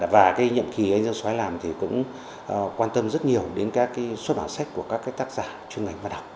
và nhiệm kỳ anh dương xoái làm thì cũng quan tâm rất nhiều đến các xuất bản sách của các tác giả chuyên ngành và đọc